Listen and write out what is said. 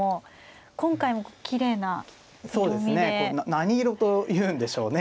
何色というんでしょうね